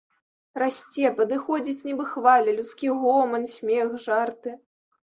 Расце, падыходзіць, нібы хваля, людскі гоман смех, жарты.